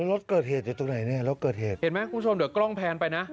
รถเกิดเหตุอยู่ตรงไหนเนี่ยรถเกิดเหตุเห็นไหมคุณผู้ชมเดี๋ยวกล้องแพนไปนะ